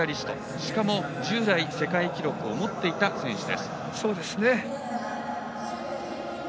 しかも、従来の世界記録を持っていた選手です。